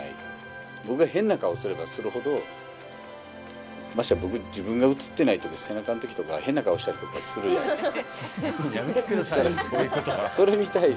僕が変な顔をすればするほどましてや自分が映ってないとき背中のときとか変な顔したりするじゃないですか